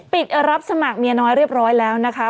รับสมัครเมียน้อยเรียบร้อยแล้วนะคะ